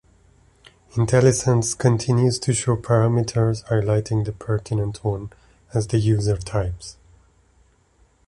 IntelliSense continues to show parameters, highlighting the pertinent one, as the user types.